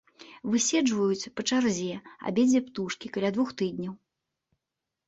Выседжваюць па чарзе абедзве птушкі каля двух тыдняў.